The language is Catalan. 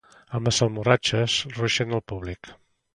Amb les almorratxes ruixen al públic.